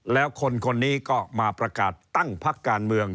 แล้วคนคนนี้ก็มาประกาศตั้งพักการเมือง